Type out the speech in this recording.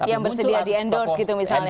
yang bersedia di endorse gitu misalnya